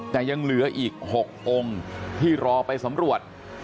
แต่ยังเหลืออีก๖องค์ที่รอไปสำรวจ